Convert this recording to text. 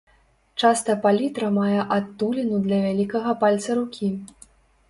Часта палітра мае адтуліну для вялікага пальца рукі.